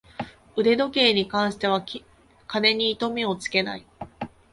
腕時計に関しては金に糸目をつけない